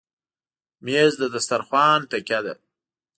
مېز د دسترخوان تکیه ده.